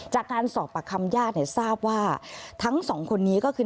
จากการสอบปากคำญาติเนี่ยทราบว่าทั้งสองคนนี้ก็คือ